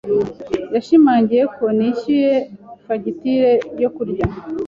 Yashimangiye ko nishyuye fagitire yo kurya.